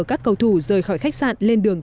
các cầu thủ rời khỏi khách sạn lên đường